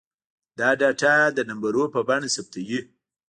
دا ډاټا د نمبرونو په بڼه ثبتوي.